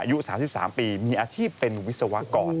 อายุ๓๓ปีมีอาชีพเป็นวิศวกร